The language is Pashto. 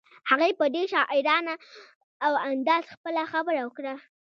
هغې په ډېر شاعرانه انداز خپله خبره وکړه.